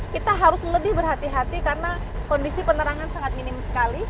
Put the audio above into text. kita harus lebih berhati hati karena kondisi penerangan sangat minim sekali